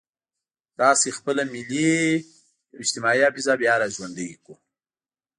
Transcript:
راشئ خپله ملي او اجتماعي حافظه بیا را ژوندۍ کړو.